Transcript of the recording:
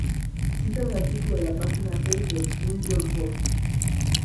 Citan el artículo de la Página Seis de "New York Post".